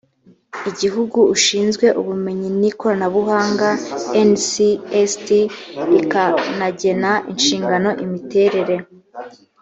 igihugu ishinzwe ubumenyi n ikoranabuhanga ncst rikanagena inshingano imiterere